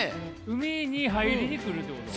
海に入りに来るってこと？